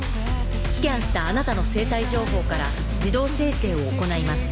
スキャンしたあなたの生体情報から自動生成を行います。